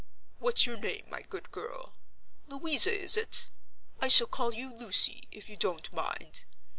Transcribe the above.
"What's your name, my good girl? Louisa, is it? I shall call you Lucy, if you don't mind.